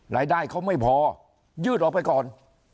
รายได้เขาไม่พอยืดออกไปก่อน